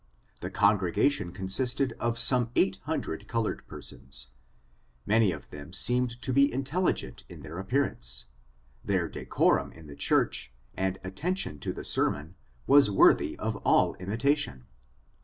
The congregation consisted of some eight hundred colored persons, filany of them seemed to be intelligent in their ap pearance. Their decorum in the church, and atten tion to the sermon, was worthy of all imitation.